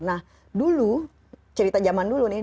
nah dulu cerita zaman dulu nih